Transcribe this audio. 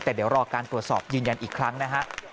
แต่เดี๋ยวรอการตรวจสอบยืนยันอีกครั้งนะฮะ